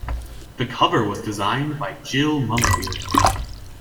The cover was designed by Jill Mumfield.